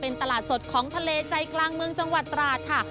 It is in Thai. เป็นตลาดสดของทะเลใจกลางเมืองจังหวัดตราดค่ะ